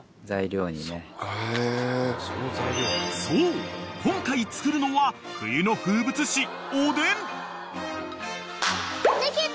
［そう今回作るのは冬の風物詩］